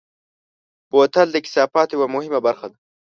بوتل د کثافاتو یوه مهمه برخه ده.